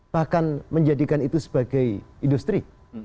bahkan menjadikan itu sebagai industri